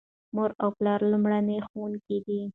مور او پلار لومړني ښوونکي دي.